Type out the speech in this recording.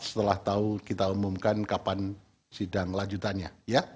setelah tahu kita umumkan kapan sidang lanjutannya